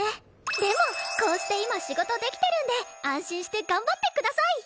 でもこうして今仕事できてるんで安心して頑張ってください！